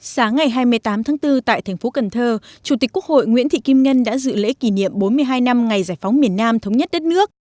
sáng ngày hai mươi tám tháng bốn tại thành phố cần thơ chủ tịch quốc hội nguyễn thị kim ngân đã dự lễ kỷ niệm bốn mươi hai năm ngày giải phóng miền nam thống nhất đất nước